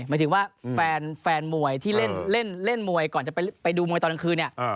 หมายถึงว่าแฟนมวยที่เล่นมวยก่อนจะไปดูมวยตอนกลางคืนเนี่ย